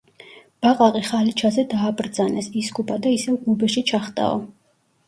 ბაყაყი ხალიჩაზე დააბრძანეს, ისკუპა და ისევ გუბეში ჩახტაო